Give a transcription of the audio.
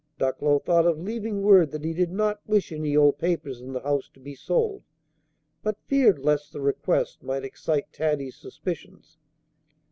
Ducklow thought of leaving word that he did not wish any old papers in the house to be sold, but feared lest the request might excite Taddy's suspicions.